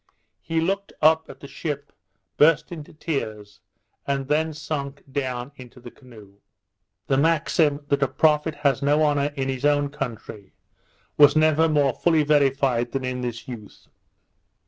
He looked up at the ship, burst into tears, and then sunk down into the canoe. The maxim, that a prophet has no honour in his own country, was never more fully verified than in this youth.